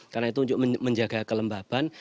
karena itu untuk menjaga kelembaban